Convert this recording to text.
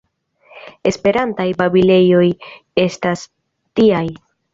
Esperantaj babilejoj estas tiaj.